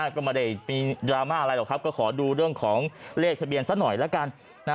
ก็มาได้ดราม่าอะไรหรอกก๋อขอดูเรื่องของเลขทะเบียนสักหน่อยละกัน